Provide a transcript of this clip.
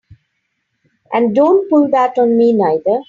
And don't pull that on me neither!